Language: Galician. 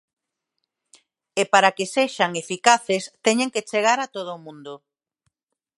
E para que sexan eficaces teñen que chegar a todo o mundo.